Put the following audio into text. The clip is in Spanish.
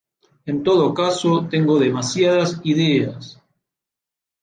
En todo caso, tengo demasiadas ideas.